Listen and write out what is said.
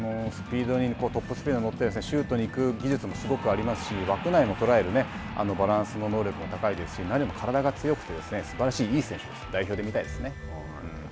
トップスピードに乗って、シュートに行く技術もすごくありますし、枠内を捉えるバランスの能力も高いですし、何よりも体が強くて、すばらしい、いい選手です。